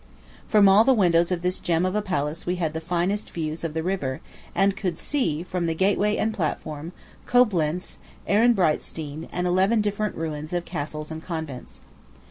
From all the windows of this gem of a palace we had the finest views of the river, and could see, from the gateway and platform, Coblentz, Ehrenbreitstein, and eleven different ruins of castles and convents.